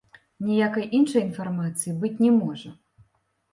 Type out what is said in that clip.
Ніякай іншай інфармацыі быць не можа.